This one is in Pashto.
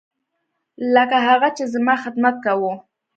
لکه هغه چې زما خدمت کاوه.